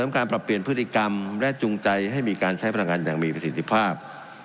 กรรมและจุงใจให้มีการใช้พลังงานอย่างมีประสิทธิภาพ